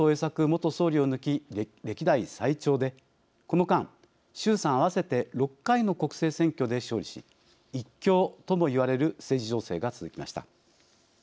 元総理を抜き歴代最長でこの間衆参合わせて６回の国政選挙で勝利し１強ともいわれる政治情勢が続きました。